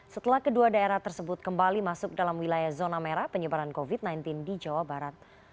setelah kedua daerah tersebut kembali masuk dalam wilayah zona merah penyebaran covid sembilan belas di jawa barat